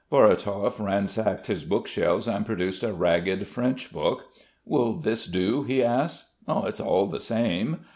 Vorotov ransacked his bookshelves and produced a ragged French book. "Will this do?" he asked. "It's all the same."